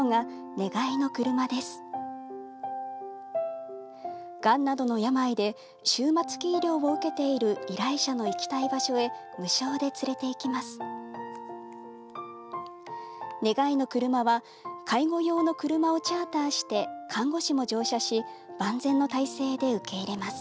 願いのくるまは介護用の車をチャーターして看護師も乗車し万全の体制で受け入れます。